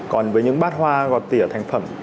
còn với những bát hoa gọt tỉa thành phẩm